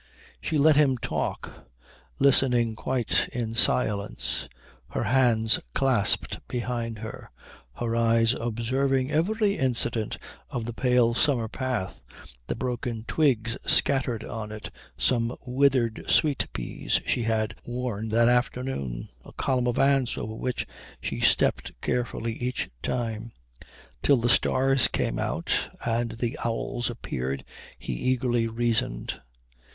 She let him talk, listening quite in silence, her hands clasped behind her, her eyes observing every incident of the pale summer path, the broken twigs scattered on it, some withered sweet peas she had worn that afternoon, a column of ants over which she stepped carefully each time. Till the stars came out and the owls appeared he eagerly reasoned.